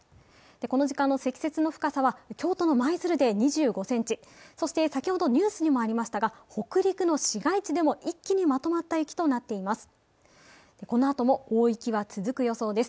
この時間の積雪の深さは京都の舞鶴で２５ｃｍ、そして先ほどニュースにもありましたが北陸の市街地でも一気にまとまった雪となっています。